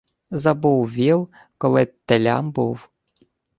Забув віл, коли телям був.